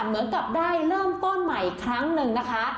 เหมือนกับได้เริ่มต้นใหม่อีกครั้งหนึ่งนะคะ